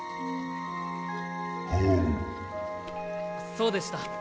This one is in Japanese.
そうでした。